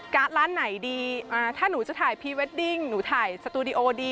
ร้านไหนดีถ้าหนูจะถ่ายพรีเวดดิ้งหนูถ่ายสตูดิโอดี